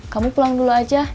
kamu pulang dulu aja